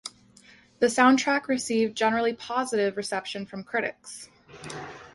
The soundtrack received generally positive reception from critics.